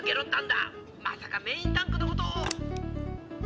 まさかメインタンクのことを。